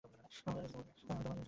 আমি তোমার সাথে যেতে পারব না।